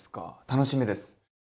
楽しみです！